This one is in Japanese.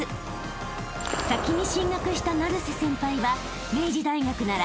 ［先に進学した成瀬先輩は］